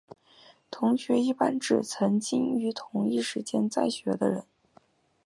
同学一般指曾经于同一时间在学的人。